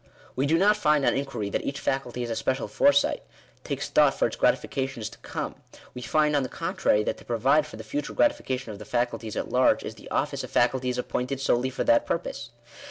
We do not find on inquiry, that each faculty has a special foresight — takes thought for its gratifications to come : we find, on the contrary, that to provide for the future gratification of the faculties at large, is the office of faculties appointed solely for that pur pose.